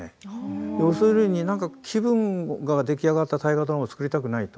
そういうふうに気分が出来上がった大河ドラマを作りたくないと。